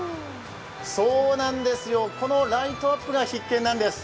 そうなんですよ、このライトアップが必見なんです。